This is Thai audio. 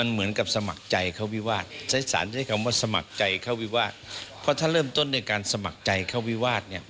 เข้าวิวาสเพราะถ้าเริ่มต้นด้วยการสมัครใจเข้าวิวาสเนี่ย